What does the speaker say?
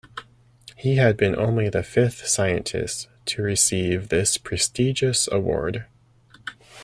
He had been only the fifth scientist to receive this prestigious award.